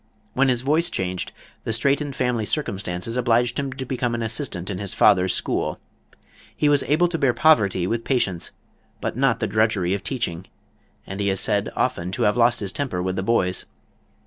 When his voice changed, the straitened family circumstances obliged him to become an assistant in his father's school. He was able to bear poverty with patience, but not the drudgery of teaching, and he is said often to have lost his temper with the boys.